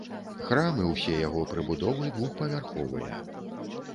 Храм і ўсе яго прыбудовы двухпавярховыя.